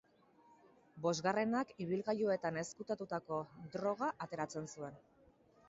Bosgarrenak ibilgailuetan ezkutatutako droga ateratzen zuen.